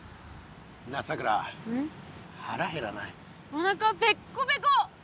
おなかペッコペコ。